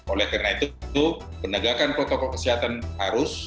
oleh karena itu penegakan protokol kesehatan harus